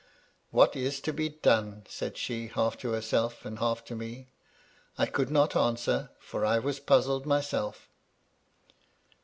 " What is to be done ?" said she, half to herself and half to me. I could not answer, for I was puzzled myself.